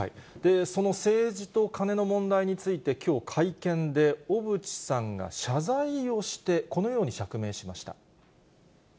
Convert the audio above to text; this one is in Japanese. その政治とカネの問題について、きょう、会見で小渕さんが謝罪をして、このように釈明しました。